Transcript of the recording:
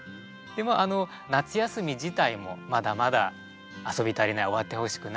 あの夏休み自体もまだまだ遊び足りない終わってほしくない